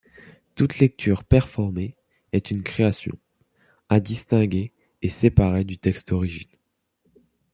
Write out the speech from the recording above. Toute lecture performée est une création, à distinguer et séparer du texte origine.